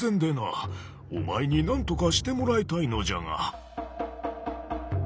お前になんとかしてもらいたいのじゃが。